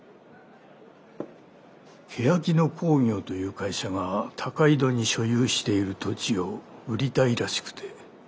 けやき野興業という会社が高井戸に所有している土地を売りたいらしくて。